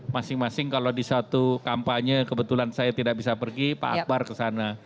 masing masing kalau di satu kampanye kebetulan saya tidak bisa pergi pak akbar ke sana